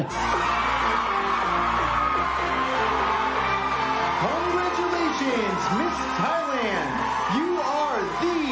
ขอบคุณครับมิสไทยแลนด์